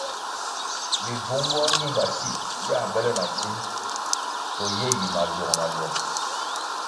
Bibvung boñingasi bia bele na dzim to ye yi maluong-maluong.